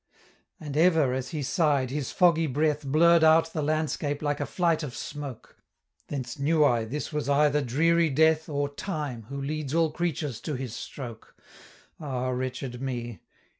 "And ever, as he sigh'd, his foggy breath Blurr'd out the landscape like a flight of smoke: Thence knew I this was either dreary Death Or Time, who leads all creatures to his stroke. Ah wretched me!"